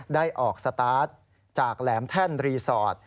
ได้ออกสตาร์ทจากแหลมแท่นรีสอร์ท